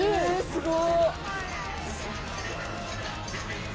すごい！